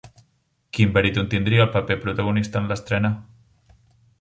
Quin baríton tindria el paper protagonista en l'estrena?